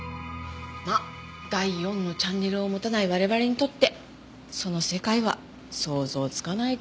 まあ第４のチャンネルを持たない我々にとってその世界は想像つかないけどね。